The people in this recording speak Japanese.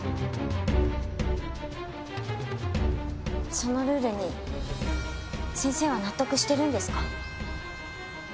そのルールに先生は納得してるんですか？